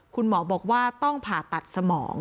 คุณหมอบอกว่าต้องผ่าตัดสมอง